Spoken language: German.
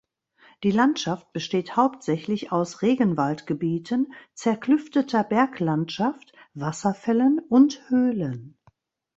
Die Landschaft besteht hauptsächlich aus Regenwaldgebieten, zerklüfteter Berglandschaft, Wasserfällen und Höhlen.